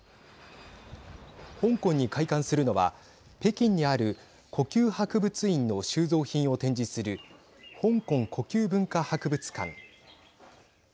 香港に開館するのは北京にある故宮博物院の収蔵品を展示する香港故宮文化博物館。